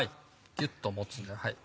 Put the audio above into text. ギュっと持つんだよ。